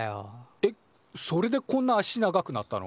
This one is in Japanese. えっそれでこんな足長くなったの？